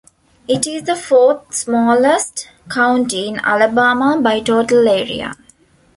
It is the fourth-smallest county in Alabama by total area.